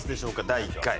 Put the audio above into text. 第１回。